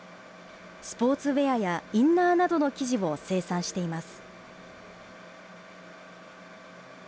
スポーツウエアやインナーなどの生地を生産しています。